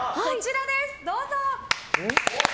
どうぞ！